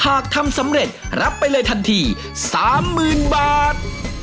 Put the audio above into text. หากทำสำเร็จรับไปเลยทันที๓๐๐๐บาท